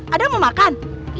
adam mau makan